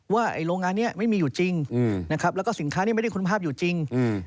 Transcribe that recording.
ว่าโรงงานนี้ไม่มีอยู่จริงนะครับแล้วก็สินค้านี้ไม่ได้คุณภาพอยู่จริง